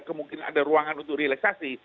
kemungkinan ada ruangan untuk relaksasi